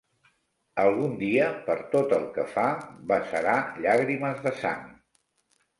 Algun dia, per tot el que fa, vessarà llàgrimes de sang.